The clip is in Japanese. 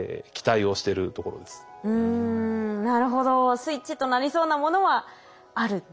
スイッチとなりそうなものはあると。